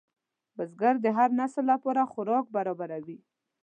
بزګر د هر نسل لپاره خوراک برابروي